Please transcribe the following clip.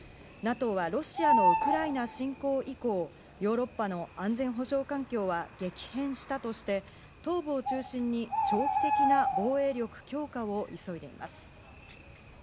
ＮＡＴＯはロシアのウクライナ侵攻以降、ヨーロッパの安全保障環境は激変したとして、東部を中心に長期的な防衛力強化を急いでいます。